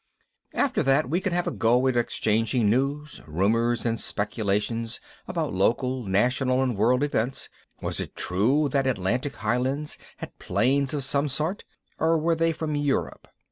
After that, we could have a go at exchanging news, rumors and speculations about local, national and world events. Was it true that Atlantic Highlands had planes of some sort or were they from Europe?